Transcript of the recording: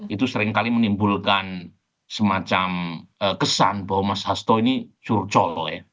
itu seringkali menimbulkan semacam kesan bahwa mas hasto ini curcol ya